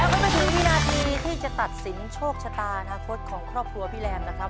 แล้วก็มาถึงวินาทีที่จะตัดสินโชคชะตาอนาคตของครอบครัวพี่แรมนะครับ